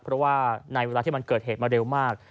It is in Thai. เพราะว่าในเวลาที่มันเกิดเหตุมาเร็วมาก